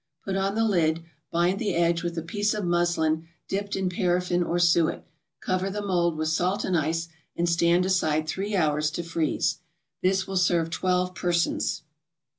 Put on the lid, bind the edge with a piece of muslin dipped in paraffin or suet, cover the mold with salt and ice, and stand aside three hours to freeze. This will serve twelve persons.